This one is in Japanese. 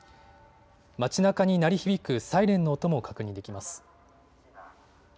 街なかに鳴り響くサイレンの音も確認できます。